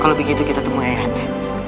kalau begitu kita temui ayah anda